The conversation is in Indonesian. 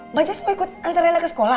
mbak jis mau ikut anterin reina ke sekolah